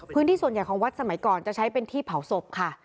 ส่วนใหญ่ของวัดสมัยก่อนจะใช้เป็นที่เผาศพค่ะ